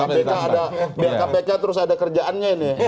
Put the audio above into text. biar kpk terus ada kerjaannya ini